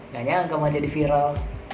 gak nyangka mau jadi viral